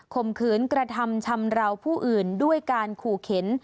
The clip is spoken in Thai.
มขืนกระทำชำราวผู้อื่นด้วยการขู่เข็น